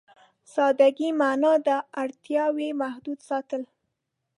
سادهګي معنا ده اړتياوې محدود ساتل.